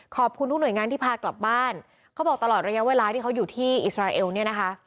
ขอบคุณทุกหน่วยงานที่พากลับบ้านเขาบอกตลอดระยะเวลาที่เขาอยู่ที่อิสราเอลเนี่ยนะคะ